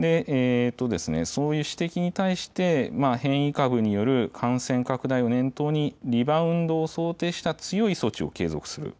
そういう指摘に対して、変異株による感染拡大を念頭に、リバウンドを想定した強い措置を継続する。